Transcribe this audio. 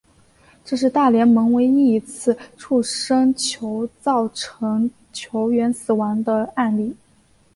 这是大联盟唯一一次触身球造成球员死亡的案例。